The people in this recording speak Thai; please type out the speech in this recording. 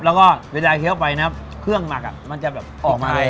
แล้วก็เวลาเคี้ยวไปนะครับเครื่องมักอ่ะมันจะแบบออกมาเลย